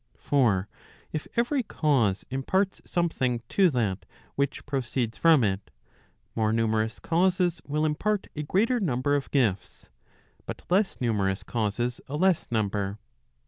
For if every cause imparts something to that which proceeds from it, more numerous causes will impart a greater number of gifts, but less numerous causes a less number.